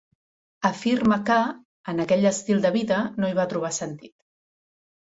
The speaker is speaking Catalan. Afirma que, en aquell estil de vida, no hi va trobar sentit.